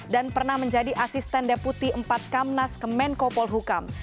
dan pernah menjadi asisten deputi empat kamnas kemenko paul hukam